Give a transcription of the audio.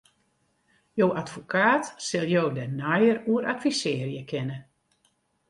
Jo advokaat sil jo dêr neier oer advisearje kinne.